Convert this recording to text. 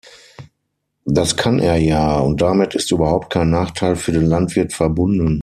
Das kann er ja, und damit ist überhaupt kein Nachteil für den Landwirt verbunden.